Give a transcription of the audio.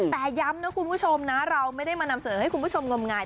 แต่ย้ำนะคุณผู้ชมนะเราไม่ได้มานำเสนอให้คุณผู้ชมงมงาย